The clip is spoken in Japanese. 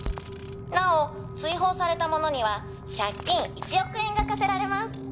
「なお追放された者には借金１億円が課せられます」